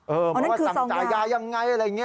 เพราะว่าสั่งจ่ายยายังไงอะไรอย่างนี้